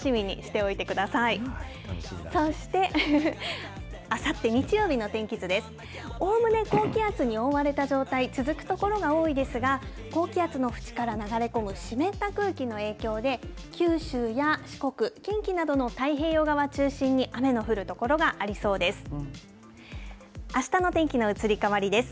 おおむね高気圧に覆われた状態、続く所が多いですが、高気圧の縁から流れ込む湿った空気の影響で、九州や四国、近畿などの太平洋側を中心に、雨の降る所がありそうです。